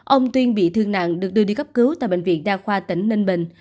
ông tuyên bị thương nặng được đưa đi cấp cứu tại bệnh viện đa khoa tỉnh ninh bình